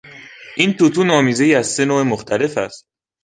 این توتون آمیزهای از سه نوع مختلف است.